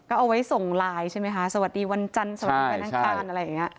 ก็เอาไว้ส่งไลน์ใช่ไหมคะสวัสดีวันจันทร์สวัสดีวันอังคารอะไรอย่างนี้